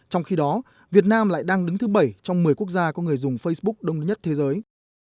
trong khi đó việt nam lại đang đứng thứ bảy trong một mươi quốc gia có người dùng facebook đông nhất thế giới